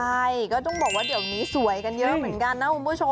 ใช่ก็ต้องบอกว่าเดี๋ยวนี้สวยกันเยอะเหมือนกันนะคุณผู้ชม